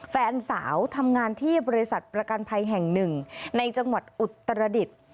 แฟนสาวทำงานที่บริษัทประกันภัยแห่งหนึ่งในจังหวัดอุตรดิษฐ์